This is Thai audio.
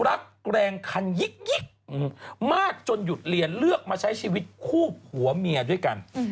แรงคันยิกมากจนหยุดเรียนเลือกมาใช้ชีวิตคู่ผัวเมียด้วยกัน